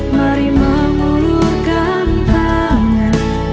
mari mengulurkan tangan